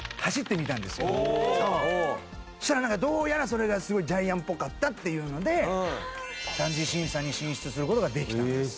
そしたらなんかどうやらそれがすごいジャイアンっぽかったっていうので３次審査に進出する事ができたんですよ。